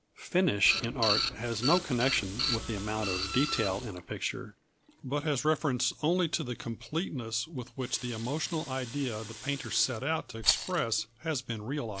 Finish in art has no connection with the amount of detail in a picture, but has reference only to the completeness with which the emotional idea the painter set out to express has been realised.